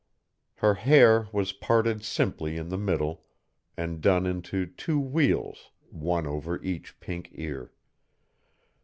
Her hair was parted simply in the middle and done into two wheels, one over each pink ear.